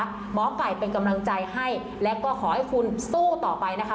หมอไก่เป็นกำลังใจให้และก็ขอให้คุณสู้ต่อไปนะคะ